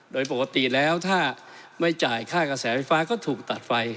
โดยปกติแล้วถ้าไม่จ่ายค่ากระแสไฟฟ้าก็ถูกตัดไฟ